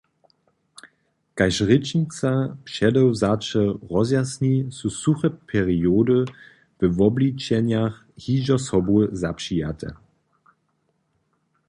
Kaž rěčnica předewzaća rozjasni, su suche periody we wobličenjach hižo sobu zapřijate.